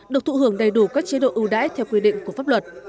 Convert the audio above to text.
được thụ hưởng đầy đủ các chế độ ưu đãi theo quy định của pháp luật